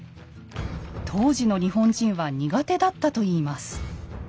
当時の日本人は苦手だったといいます。